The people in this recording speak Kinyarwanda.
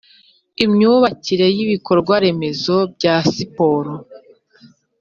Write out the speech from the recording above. imyubakire y ibikorwaremezo bya siporo